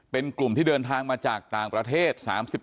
เป็นกลุ่มที่เดินทางมาจากต่างประเทศ๓๔